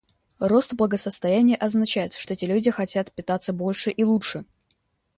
Рост благосостояния означает, что эти люди хотят питаться больше и лучше.